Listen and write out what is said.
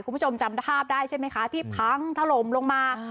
คุณผู้ชมจำภาพได้ใช่ไหมคะที่พังถล่มลงมา